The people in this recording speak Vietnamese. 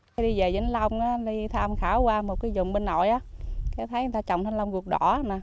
khi đi về vĩnh long đi tham khảo qua một cái vùng bên nội thấy người ta trồng thanh long ruột đỏ